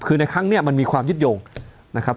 คือในครั้งนี้มันมีความยึดโยงนะครับ